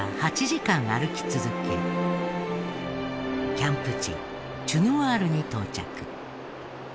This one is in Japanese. キャンプ地チュノワールに到着。